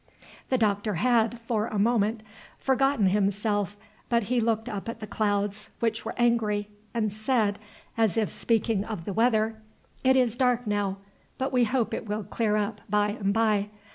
The Doctor had, for a moment, forgotten himself but he looked up at the clouds, which were angry, and said, as if speaking of the weather, "It is dark now, but we hope it will clear up by and by.